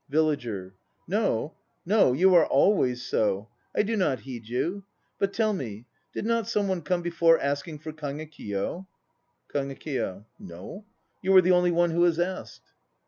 [LLAGER. No, no! you are always so! I do not heed you. But tell me, did some one come before, asking for Kagekiyo? LGEKIYO. No, you are the only one who has asked.